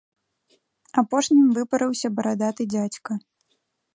Апошнім выпарыўся барадаты дзядзька.